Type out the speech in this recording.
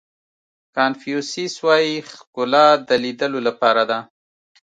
کانفیو سیس وایي ښکلا د لیدلو لپاره ده.